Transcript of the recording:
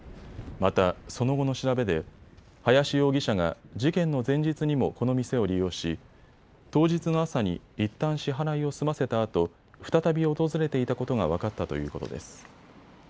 また、その後の調べで林容疑者が事件の前日にもこの店を利用し当日の朝にいったん支払いを済ませたあと、再び訪れていたことが分かったということです。